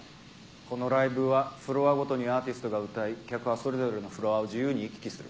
このライブはフロアごとにアーティストが歌い客はそれぞれのフロアを自由に行き来する。